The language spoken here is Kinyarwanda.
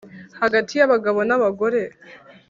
Hagati y abagabo n abagore